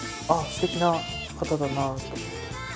すてきな方だなと思って。